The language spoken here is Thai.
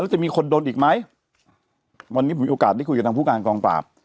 จะมีคนโดนอีกไหมวันนี้ผมมีโอกาสได้คุยกับทางผู้การกองปราบ